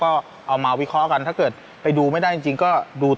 เราไม่มีพวกมันเกี่ยวกับพวกเราแต่เราไม่มีพวกมันเกี่ยวกับพวกเรา